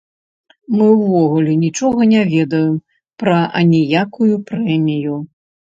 Мы ўвогуле нічога не ведаем пра аніякую прэмію.